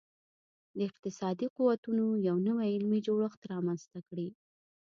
د اقتصادي قوتونو یو نوی علمي جوړښت رامنځته کړي